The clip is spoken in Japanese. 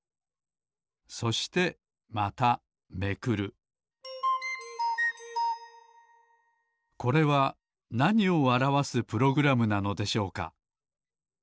そしてまためくるこれはなにをあらわすプログラムなのでしょうか？